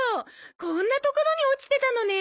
こんなところに落ちてたのね。